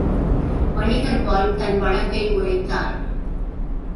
வணிகர்பால் தன் வழக்கை உரைத்தாள்.